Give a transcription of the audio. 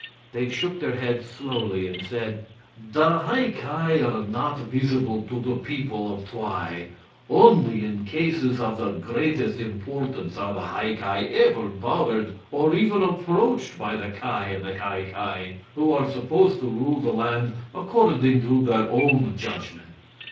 They shook their heads slowly and said: "The High Ki are not visible to the people of Twi. Only in cases of the greatest importance are the High Ki ever bothered or even approached by the Ki and the Ki Ki, who are supposed to rule the land according to their own judgment.